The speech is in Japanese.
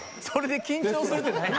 それで緊張するって何？